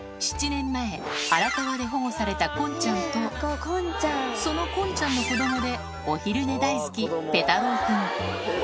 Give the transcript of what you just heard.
７年前、荒川で保護されたコンちゃんと、そのコンちゃんの子どもで、お昼寝大好き、ペタ朗くん。